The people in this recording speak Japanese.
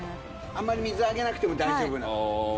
あんまり水あげなくても大丈夫な。